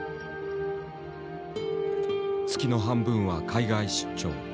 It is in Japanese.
月の半分は海外出張。